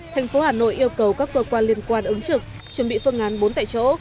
thành phố hà nội yêu cầu các cơ quan liên quan ứng trực chuẩn bị phương án bốn tại chỗ